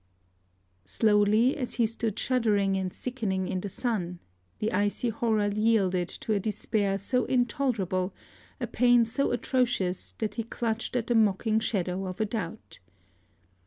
Slowly, as he stood shuddering and sickening in the sun, the icy horror yielded to a despair so intolerable, a pain so atrocious, that he clutched at the mocking shadow of a doubt.